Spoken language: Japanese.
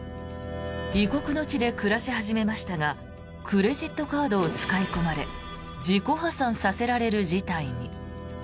異国の地で暮らし始めましたがクレジットカードを使い込まれ自己破産させられる事態に。